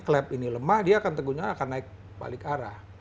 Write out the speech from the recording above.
clap ini lemah dia kan tegunya akan naik balik arah